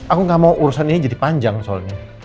aku gak mau urusan ini jadi panjang soalnya